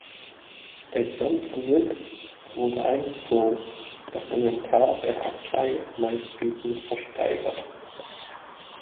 Der gesamte Besitz wurde eingezogen, das Inventar der Abtei meistbietend versteigert.